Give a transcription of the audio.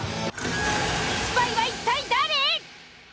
スパイは一体誰？